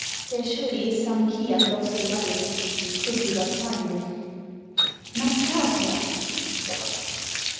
There surely is some key Unlocks the labyrinth, could we but find it. Nastasia! HE. What!